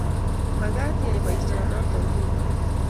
Makat iyai boisiet noto nguno